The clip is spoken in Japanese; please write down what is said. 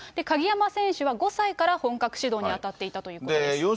鍵山選手は５歳から本格指導に当たっていたということです。